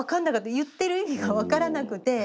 言ってる意味が分からなくて。